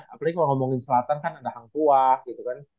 apalagi kalau ngomongin selatan kan ada hangkuah gitu kan